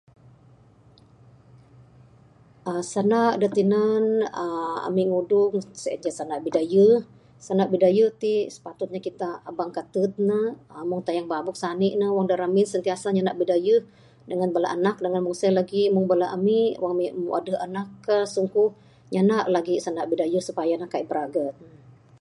uhh sanda da tinan ami ngudung sien ce sanda bidayuh. Sanda bidayuh ti sepatut ne kita aba kated ne. Wang tayang babuk ngamin ne ngan ne sentiasa nyana bidayuh da ramin ngan Bala anak . Dangan mung sien lagih ami, wang ami adeh anak ka sungkuh nyana lagi sanda bidayuh supaya ne kaik biragan.